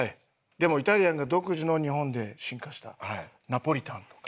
でもイタリアンが独自の日本で進化したナポリタンとか。